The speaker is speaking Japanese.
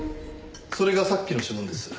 それがさっきの指紋です。